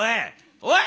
おい！